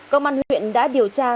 công an huyện đã điều tra